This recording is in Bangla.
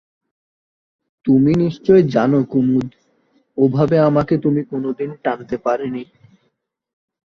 তুমি নিশ্চয় জানো কুমুদ, ওভাবে আমাকে তুমি কোনোদিন টানতে পারেনি?